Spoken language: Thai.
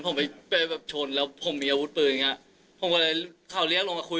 ผมไปไปแบบชนแล้วผมมีอาวุธปืนอย่างเงี้ยผมก็เลยเขาเรียกลงมาคุย